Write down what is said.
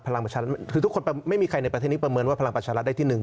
พลังประชารัฐคือทุกคนไม่มีใครในประเทศนี้ประเมินว่าพลังประชารัฐได้ที่หนึ่ง